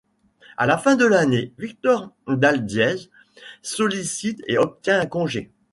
À la fin de l’année, Victor Dalbiez sollicite et obtient un congé.